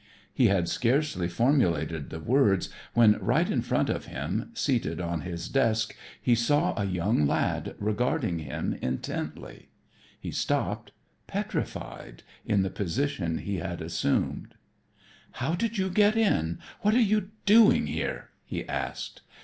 He had scarcely formulated the words when right in front of him, seated on his desk, he saw a young lad regarding him intently. He stopped, petrified, in the position he had assumed. "How did you get in? What are you doing here?" he asked.